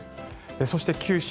そして、九州